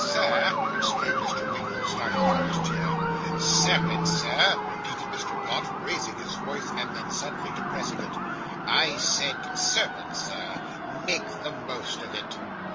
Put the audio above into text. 'Sir!' exclaimed Mr. Winkle, starting from his chair. 'Serpent, Sir,' repeated Mr. Pott, raising his voice, and then suddenly depressing it: 'I said, serpent, sir make the most of it.